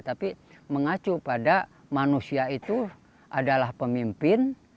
tapi mengacu pada manusia itu adalah pemimpin